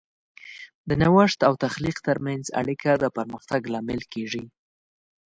د نوښت او تخلیق ترمنځ اړیکه د پرمختګ لامل کیږي.